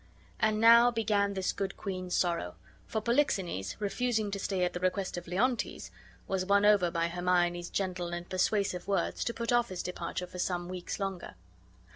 And now began this good queen's sorrow; for Polixenes, refusing to stay at the request of Leontes, was won over by Hermione's gentle and persuasive words to put off his departure for some weeks longer.